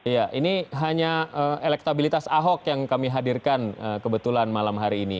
ya ini hanya elektabilitas ahok yang kami hadirkan kebetulan malam hari ini